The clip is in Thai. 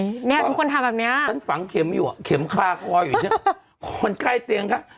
นี่ทุกคนทำแบบนี้ฉันฝังเข็มอยู่อ่ะเข็มข้าคออยู่คนใกล้เตียงค่ะ